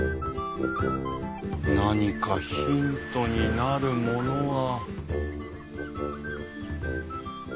何かヒントになるものは。